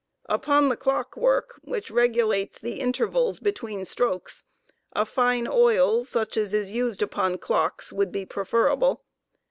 Upon the clock work, which regulates the intervals between strokes, a fine oil, such as is used upon clocks, would be preferable.